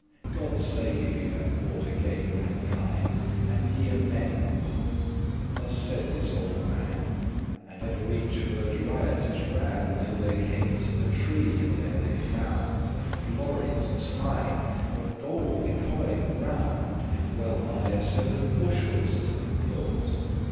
God save you, that bought again mankind, And you amend!" Thus said this olde man; And evereach of these riotoures ran, Till they came to the tree, and there they found Of florins fine, of gold y coined round, Well nigh a seven bushels, as them thought.